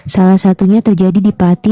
salah satunya terjadi di pati